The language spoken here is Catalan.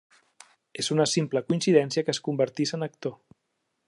És una simple coincidència que es convertís en actor.